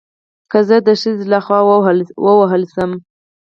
که زه د خځې له خوا ووهل شم